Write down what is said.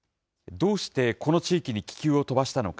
どうしてこの地域に気球を飛ばしたのか。